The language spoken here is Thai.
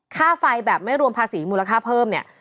ค่าไฟแบบไม่รวมภาษีมูลค่าเพิ่มเนี่ย